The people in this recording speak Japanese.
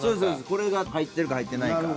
これが入ってるか入ってないか。